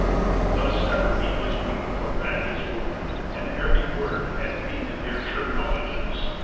Thus sever'd he his weed From that his wound; and ev'ry word had deed In their sure knowledges.